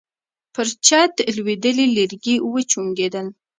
پر چت لوېدلي لرګي وچونګېدل.